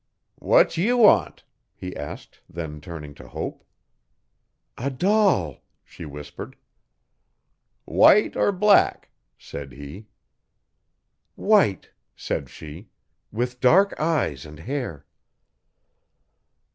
'What ye want?' he asked, then turning to Hope. 'A doll,' she whispered. 'White or black?' said he. 'White,' said she, 'with dark eyes and hair.'